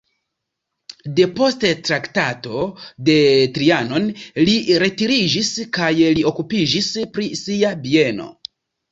Depost Traktato de Trianon li retiriĝis kaj li okupiĝis pri sia bieno.